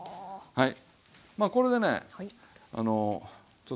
はい。